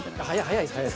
早いです。